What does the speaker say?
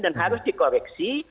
dan harus dikoreksi